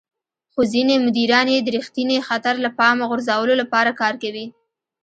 خو ځينې مديران يې د رېښتيني خطر له پامه غورځولو لپاره کاروي.